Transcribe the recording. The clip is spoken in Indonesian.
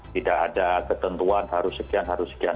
tidak ada ketentuan harus sekian harus sekian